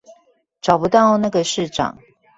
找不到那個市長